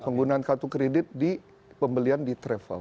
penggunaan kartu kredit di pembelian di travel